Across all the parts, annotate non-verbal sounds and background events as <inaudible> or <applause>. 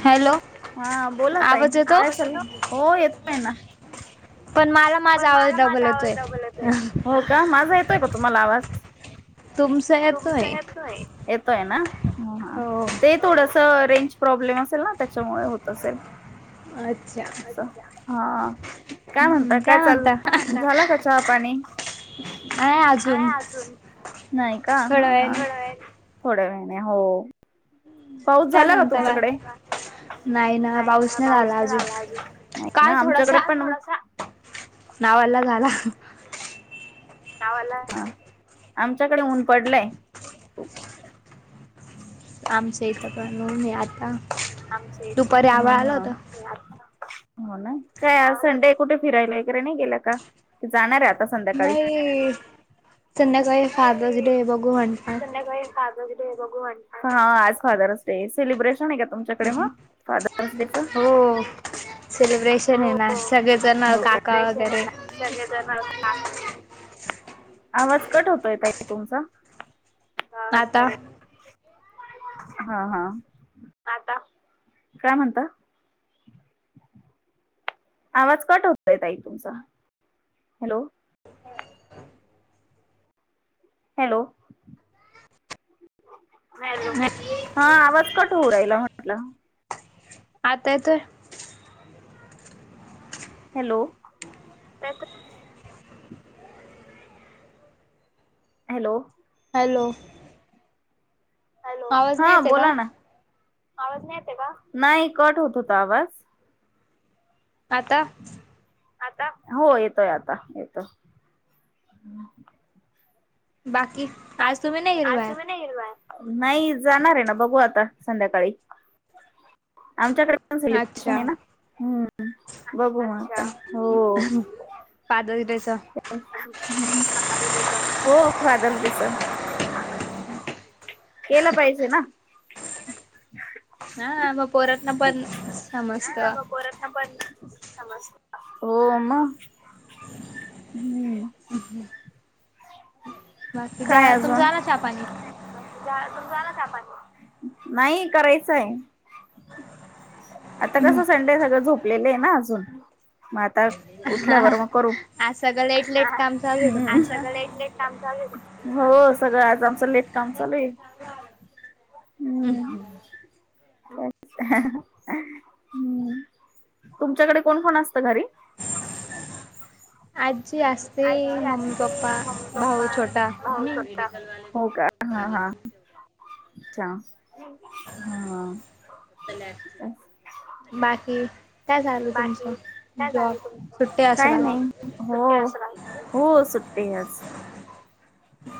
Hello हा, बोला ताई, आवाज येतो <unintelligible> हो येतोय ना पण मला माझा पण आवाज मला डबल माझा आवाज येतोय डबललच हाय. हो का, माझा येतोय का तुम्हाला आवाज? तुमचा तुमय येतोय येतोय. येतोय ना, ते थोडसें रेंज प्रॉब्लेम असेल ना, त्याच्यामुळे होत असेल. अच्छा. असं हा, काय म्हणता काय चाललं? झाला का चहा पाणी? हो अजून. नाही का? थोड्या ह ह. वेळाने थोड्या वेळाने हो पाऊस काय झाला का म्हणता बाय तुमच्याकडे? नाही ना, पाऊस नाय आला अजून. नाही ना, आमच्याकडे पण अजून नावा ला झाला. गावाला आमच्याकडे ऊन पडलंय खूप आमचं इथं प आता दुपारी <unintelligible> आभाळ आलं होतं हो ना काय संडे कुठे फिरायला वगैरे नाही गेला का ते जाणार आहे आता संध्याकाळी नाही संध्याकाळी फादर्स नाही डे बघू म्हणट ज फादर्स डे सेलिब्रेशन आहे का तुमच्याकडेग सफ हो सेलिब्रेशन आहे ना सगळेजण काका होेशन आहे वगैरे ना सग का आवाज कट होतोय तई तुमचा आता हा हा आता काय म्हणता आवाज कट होतय ताई तुमचा हॅलो हॅलो नाही हा आवाज क हो राहिला म्हटलं आता येतोय हॅलो हॅलो हॅलो हॅलो आवाज नाही हा येते का बोला ना आवाज नाही य का नाही कट होत होता आवाज आता आता हो येतोय आता येतोय बाकी आज बाकी तुम्ही नाही गेल आज बाहेर तुम्ही नाही हिरवाय नाही जाणार आहे ना बघू आता संध्याकाळी आमच्याकडे सेलब्रेशन अच्छा आहे ना हम् बघू मण हो दरचा ह्च हो फादर दिस केलं पाहिजे ना <unintelligible> हा मग पोरटन पण समजत हा मग पोरांना पण हो आमा हम् ह् बाकी जा तुमच ना पाणी तू झाला का नाही करायचंय आता कसं संडे सगळं झोपलेलं आहे ना अजून मग आता हा उठल्यावर मग करू सट आज सगळं लेट लेट काम चालू आहे का तुमचं काम चा हो सगळं आज आमचं लेट काम चालू आहे हम्म हम्म हम्म तुमच्याकडे कोण कोण असत घरी आजी असते आजी मम्मी असते पप्पा मम्मी भाऊ पप्पा छोटा मी छोटा हो का हा हाच् च त ला बाकी काय झाचालं बाकी तुमचं काय जॉब झालं तुमचं? सुट्टी काय असराल नाही हो हो सुटतेच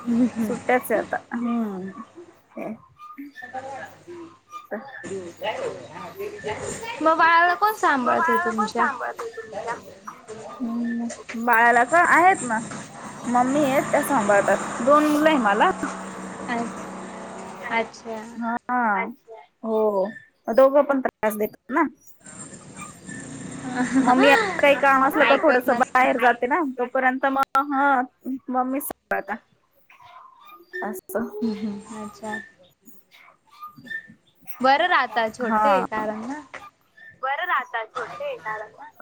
हम्म सुट्ट्याच आहे हम्म आता हम्म ते <unintelligible> मग बाळाला कोण मग सांभाळत बाळाला कोण तुमच्या सांभाळत हम्म ब ला का आहेत ना मम्मीये त्या सांभाळतात दोन मुलं आहे मला आहेत. हा. हो दोघं पण त्रास देतात ना. ममी अस काही काम असलं का ऐकत थोडसं नसत बाहेर जाते ना तोपर्यंत तस म ह मम्मी सांभाळतात अस हम्म हम्म अच्छा. बरं राहता हा. छोटेय कारण ना.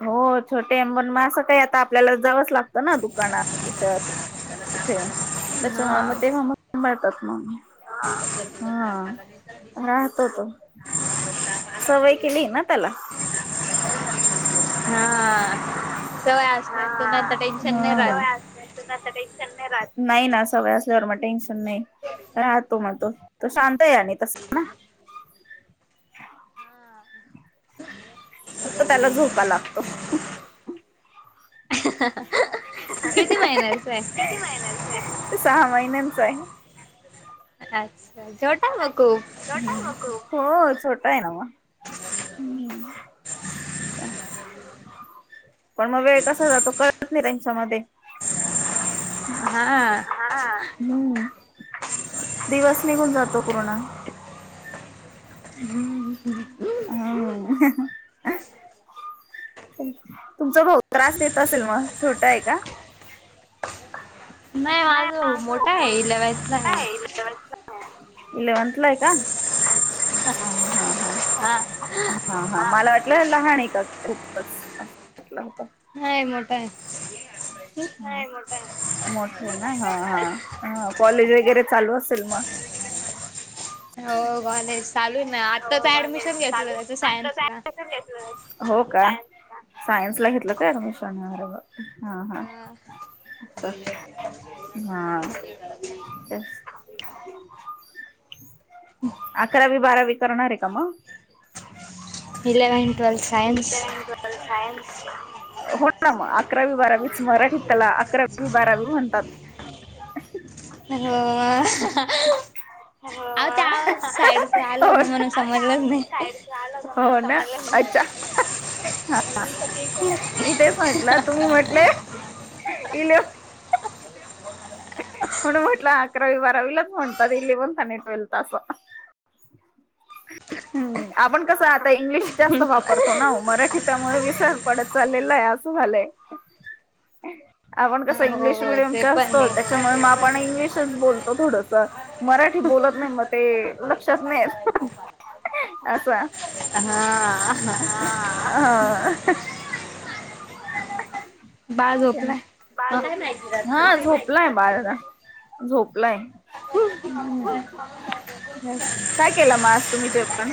हो छोटे पण मग असं काही आता आपल्याला जावस लागत ना दुकानात त्याच्यात कुठे त्याच्या हा म मम्मी सांभाळतात. मम्मी. हा राहतो तो. सवय केलीय ना त्याला. हा. सवय असल्या तर ना हा आता टेन्शन नाही सवय राहत आसली कि कसं टेन्शन नाही राहत. नाही ना सवय असल्यावर मग टेन्शन नाही राहतो मग तो तो शांत आहे आणि तस ना. <inaudible> फक्त त्याला झोका लागतो. हि हि हि किती हि महिन्याच आहे किती महिन्यांचाय? सहा महिन्यांचाय. अच्छ हो. छोटाय ना म हं चा पण मग वेळ कसा जातो कळत नाही त्यांच्यामध्ये. हा हा हम्म दिवस निघून जातो. पूर्ण हम्म हं हं हा. तुमचा भाऊ त्रास देत असेल मग छोटा आहे का? नाही माझा माझ भाऊ मोठा आहे इलेव्हनथला आहे मोठाय माझ्यापेक्षा. इलेवनथला आहे का? ह ह हा हा हा मला वाटलं लहान आहे का खूपच? म्हटला होता. नाही मोठा आहे नाही मोठायं. मोठे ना हा हा हा कॉलेज वगैरे चालू असेल मग. हो कॉलेज चालू आहे ना हो हो आत्ताच कॉलेज ऍडमिशन घेतलं चालू त्याच आत्ता सायन्सला सायन्सचं घेतलं. हो का? सायन्स ला घेतलं का ऍडमिशन? अरे बापरे हा हा असं हा तेच अकरावी बारावी करणारये का मग? Eleventh twelfth science eleven twelve science हो ना मग अकरावी बारावीच मराठीत त्याला अकरावी बारावी म्हणतात. अ ह ह. हो अ ह. हो हो अ ह साईडचा ह आला आओ होता ते म्हणून आ त्या समजलंच नाही साईड आलं हो ना अच्छा. हा मी तेच म्हटलं तुम्ही म्हटले इले अ ह ह. म्हणून म्हटलं अकरावी बारावीलाच म्हणतात इलेव्हनथ आणि ट्वेल्थ असं. <inaudible> हम्म आपण कसं आता इंग्लिश जास्त वापरतो ना मराठी त्यामुळे विसर पडत चाललेलाय आ अस झालयं आपण कस हो इंग्लिश मिडियम ते पण असतो आहे त्याच्यामुळे मा इंग्लिशच बोल थोडस मराठी बोलत नाही, मग ते लक्षात नाही येत. अस हा हा. बाळ झोपलाय <unintelligible> बाळ झोपलाय, हा झोपलाय बाळ. झोपलाय काय केला मा आज. तुम्ही जेवण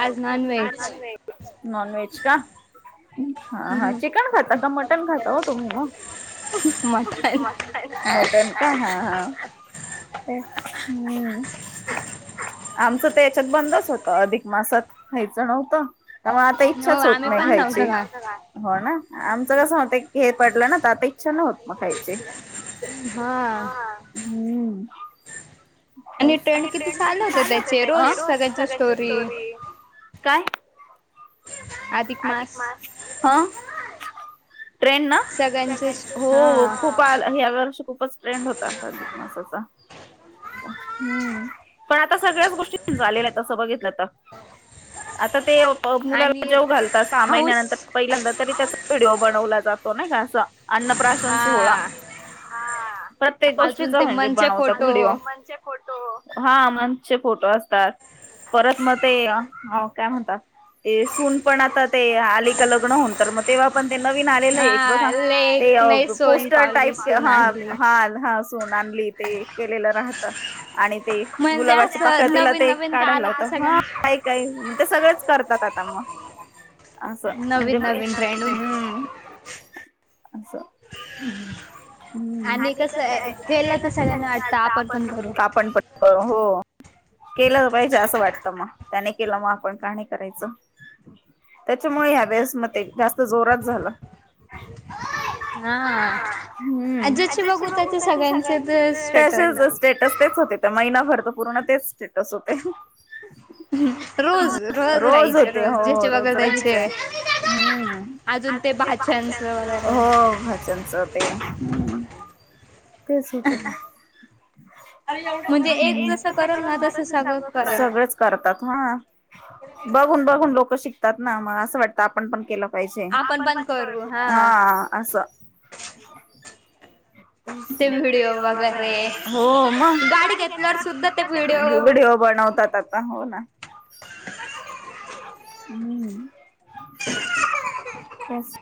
आज नॉन आज veg. Non veg. Non veg का? हा हा चिकन खाता का मटन खाता हो तुम्ही ना? Mutton mutton. मटण का हा हा. ते हम्म. आमचं तर याच्यात बंदच होतं अधिक मासात खायचं नव्हतं त्यामुळे आता एक ई हो छयाच होत आम्ही नाही खायची, नव्हतं आमी पण का नव्हतो खात हो ना! आमचं कसं होत हे पडलं ना तर आता इच्छा नाही होत मग खायची. हा हम्म. आणि ट्रेंड किती चालू होते त्याची रोज सगळयांची स्टोरी. काय. अधिक मास. हा. ट्रेंड ना सगळ्यांचे हो हा खूप ला या वर्षी. खूपच ट्रेंड होता अधिक मासाचा. हम्म! पण आता सगळ्याच गोष्टीचा आलेला आहे तसं बघितलं तर. आता ते मुलाला आणि जेव घालतात, सहा हाऊस महिन्यानंतर पहिल्यांदा तरी त्याचा व्हिडिओ बनवला जातो नाही का? असा. अन्न प्राशन सोहळा. हा हा प्रत्येक अजून गोष्टीचा ते म्हणजे मनचे बनवतात फोटो व्हिडिओ, म्हणजे फोटो. हा आमचे फोटो असतात. परत मग ते काय म्हणतात, ते सून पण आतात. ते आली का लग्न होन तर मग तेव्हा पण ते नवीन आलेलं आहे एक बघा हा ते लेक नाही सोन पोस्टर पावली टाईप सून हा आणली हा हा. सून आणली ते केलं राहत आणि ते म्हणजे गुलाबाचे पाक असं तिला नवीन ते नवीन काय काढायला आलं तर लावत, ह सगळ्यांना काय काय ते सगळंच. करतात आता मग, असं म्हणजे हम् नवीन नवीन ट्रेनड. असं. हम्म आणि कसं कस आहे केलं गेल तर सगळ्यांना वाटतं आपण पण करू वाटत आपण पण हो. केलं पाहिजे असं वाटतं मग त्याने केलं मग आपण का नाही करायचं. त्याच्यामुळे ह्या वेळेस म जास्त जोरात झाला. हा. जाचे बघू त्याचे सगळ्यांचे, तसेंच स्टेटस तेच होते. महिनाभर तर पूर्ण तेच स्टेटस होते. रोज रोज राहायचं होते. हो ज्याचे बघल रोज राहाचय त्याचे हम्म! अजून ते भाच्यानच, हो भाच्यांच ते हम्म. तेचच. म्हणजे एक जसं करेल ना तस सगळे, सगळेच करतात हा. बघून बघून लोक शिकतात ना मग असं वाटतं आपण पण केलं पाहिजे, आपण पण करू. हा अस. ते व्हिडिओ बघा रे! हो मग गाडी घेतल्यावर सुद्धा ते व्हीडीओ बनवतात आता हो ना! हम्म. <inaudible> येस,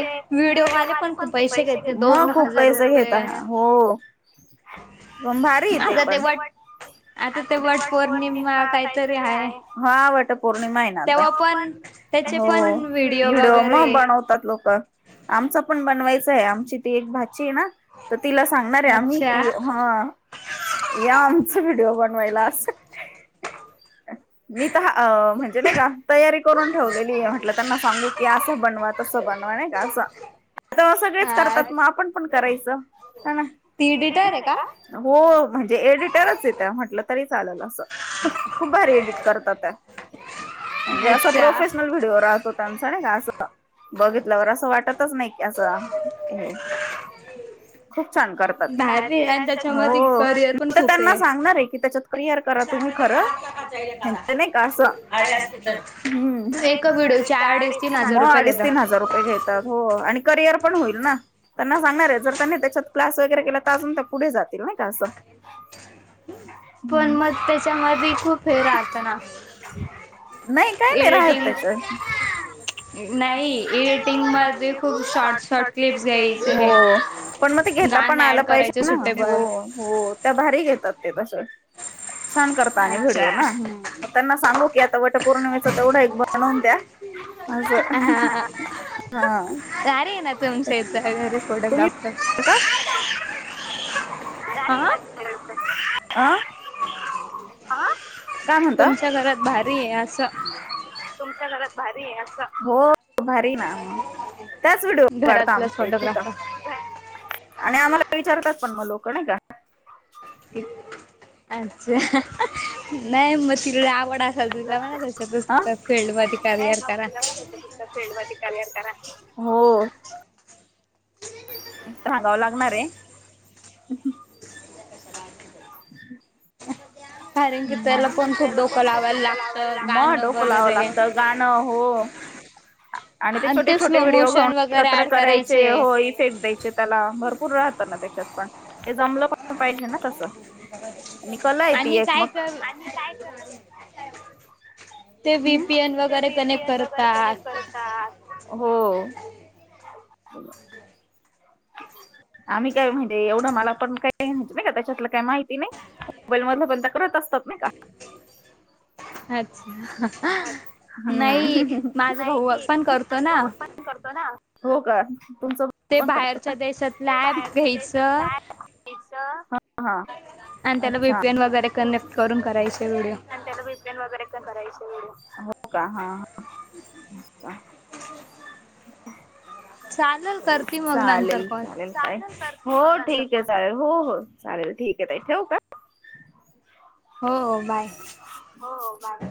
ते व्हडिओ व्हिडिओवाले मध्ये पण खूप पैसे पैशे घेतले घेतात, दोन मग खूप हजार पैसे घेत रुपये हो. पण भारी ये ते आता पण वट आता ते वटपौर्णिमा काहीतरी आहे हा वाट पौर्णिमा आहे ना आता, तेव्हा पण त्याचे पण, हो व्हिडिओ मग बनवतात लोक आमच पण बनवायचय आमची ती एक भाची आहे, ना तर तिला सांगणार आहे आम्ही अच्छा की ह या आमच व्हिडिओ बनवायला, अस मी म्हणजे नाही का तयारी करून ठेवलेली आहे म्हटलं त्यांना सांगू की असं बनवा तसं बनवा नाही का असं आता सगळेच हा करतात मग आपण पण करायचं ती इडीटर आहे का? हो. म्हणजे एडिटरच आहेत त्या, म्हटलं तरी चालेल असं खूप भारी एडिट करतात त्या. म्हणजे असा अच्छा प्रोफेशनल व्हिडिओ राहतो, त्यांचा नाई का असं बघितल्यावर असं वाटत की असा हे <inaudible> खूप छान करतात, भारी आणि <inaudible> त्याच्यामध्ये हो करिअर मी पण तर खूप त्यांना सांगणार आहे की, त्याच्यात करिअर करा तुम्ही खरं. नाही का, असं हम्म एका अडीच तीन व्हिडिओचे हजार रुपये अडीच घेता तीन हजार रुपय घेतात अणि हो करिअर पण होईल ना त्यांना सांगणार आहे जर त्यांनी त्याच्यात क्लास वगैरे केला तर अजून ते पुढे जातील ना का असं. पण मत मग त्याच्यामध्ये खूप हे राहतं ना नाही काही नाही राहत एडिटिंग त्याच नाही एडिटिंग मध्ये खूप शॉर्ट शॉर्ट क्लिप्स येईल. हो पण म ते घेता पण गाणं आला ऍड करायचे पाहिजे ना, हो सुटेबल हो त्या भारी घेतात. तस छान करता आणि अच्छा ह मग त्यांना सांगू की आता वटपौर्णिमेचा तेवढा एक बनव हा हा भारी आहे ना तुमच्या इथ घर <unintelligible> फोटोग्राफ दर हा <unintelligible> आ आ <unintelligible> काय म्हणता? तुमच्या घरात भारी आहे असं तुमच्या घरात भारी असं. हो भारी ना म त्याच व्हिडिओ वाढत घरातलंच आमच्या तिथं फोटोग्राफर आम्हाला विचारतात, पण मग लोक नाही का कि अच्छा नाही म ती फील्डमध्ये नाई करिअर म करा त्या फील्ड मध्ये करिअर करा. हो. सांगाव लागणार आहे. <inaudible> कारण की त्याला भारी पण खूप दिसायला डोकं पण खूप लावायला डोकं लावाय लागतं लागत म गाणं डोकं लावय वगैरे लागतं गाणं हो हो. आणि ते छोटे छोटे स्लो व्हिडिओ घेऊन मोशन वगैरे एकत्र ॲड करायचे, हो इफेक्ट द्यायचे त्याला भरपूर राहतं ना ते. तिच्यात पण, ते जमल पाहिजे ना तस आणि क आणि काय कर <inaudible> हम् ते वगैरे कनेक्ट बीपीएन वगैरे कनेक्ट करतात करतात. हो <inaudible> आम्ही काय म्हणजे एवढं मला पण काही नाही <inaudible> का त्याच्यातलं काही माहिती नाही. मोबाईल मधल पण त्या करत असतात नाई का. अच्छा अ नाही हम् माझा भाऊ नाही पण माझ करतो ना भाऊ पण करतो ना हो का तुमचं पण करत. च्या देशातल अँप घ्यायच. हा. हा. आणि त्याला अच्छा, व्हीपीएन वगैरे कनेक्ट करून करायचे व्हिडिओ आणि त्याला <unintelligible> तेन वगैरे का करायचे व्हिडिओ का. हा. हा. <unintelligible> <inaudible> चालेल करती मग नंतर चालेल कॉल चालेल काय हो ठीक ठीक चालेल हो, हो चालेल ठीक आहे ताई ठेवू का. हो. हो. बाय. हो हो बाय